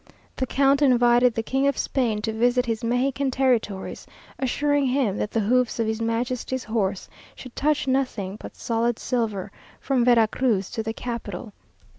The count invited the King of Spain to visit his Mexican territories, assuring him that the hoofs of his majesty's horse should touch nothing but solid silver from Vera Cruz to the capital.